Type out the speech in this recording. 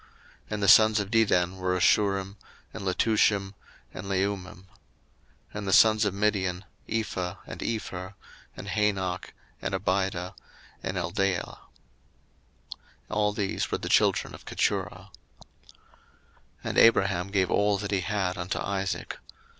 And the sons of Dedan were Asshurim, and Letushim, and Leummim. 01:025:004 And the sons of Midian; Ephah, and Epher, and Hanoch, and Abidah, and Eldaah. All these were the children of Keturah. 01:025:005 And Abraham gave all that he had unto Isaac.